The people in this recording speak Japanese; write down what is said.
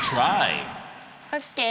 オッケー！